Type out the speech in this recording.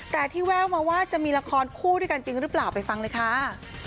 แต่ที่แววมาว่าจะมีละครคู่ด้วยกันจริงหรือเปล่าไปฟังเลยค่ะ